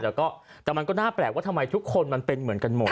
แต่ก็แต่มันก็น่าแปลกว่าทำไมทุกคนมันเป็นเหมือนกันหมด